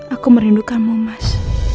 aku merindukanmu mas